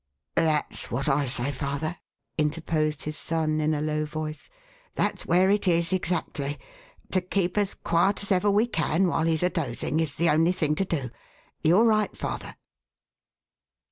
"That's what I say, father," interposed his son in a low voice. "That's where it is, exactly. To keep as quiet as ever we can while he's a dozing, is the only thing to do. You're right, father